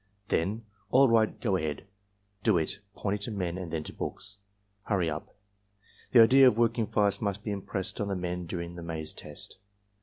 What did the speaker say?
Then, "All right. Go ahead. Do it (pointing to men and then to books). Hurry up." The idea of working fast must be impressed on the men during the maze test.